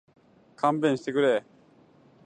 勘弁してくれ